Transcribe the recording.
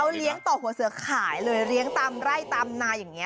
เลี้ยงต่อหัวเสือขายเลยเลี้ยงตามไร่ตามนาอย่างนี้